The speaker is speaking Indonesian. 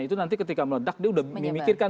itu nanti ketika meledak dia udah memikirkan